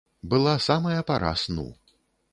Была самая пара сну.